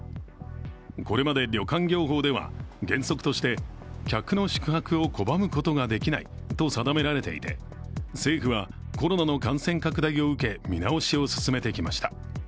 これまで旅館業法では原則として客の宿泊を拒むことができないと定められていて政府はコロナの感染拡大を受け見直しを進めてきました。